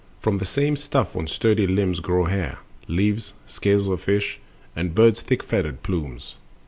From the same stuff on sturdy limbs grow hair, Leaves, scales of fish, and bird's thick feathered plumes.